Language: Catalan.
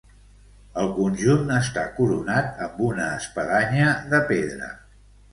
El conjunt està coronat amb una espadanya de pedra.